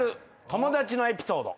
「友達のエピソード」